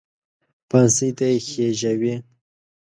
پانسۍ ته یې خېژاوې.